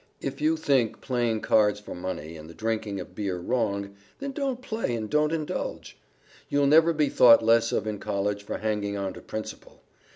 If you think playing cards for money and the drinking of beer wrong, then don't play and don't indulge. You'll never be thought less of in College for hanging on to principle.